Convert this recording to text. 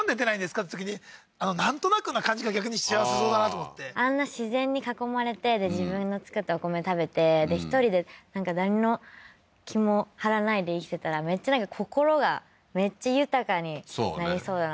って言ったときになんとなくな感じが逆に幸せそうだなと思ってあんな自然に囲まれて自分の作ったお米食べて１人でなんの気も張らないで生きてたらめっちゃ心がめっちゃ豊かにそうね